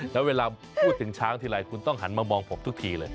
แล้วเวลาพูดถึงช้างทีไรคุณต้องหันมามองผมทุกทีเลย